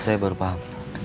saya baru paham